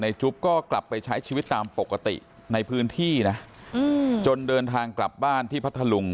จุ๊บก็กลับไปใช้ชีวิตตามปกติในพื้นที่นะจนเดินทางกลับบ้านที่พัทธลุง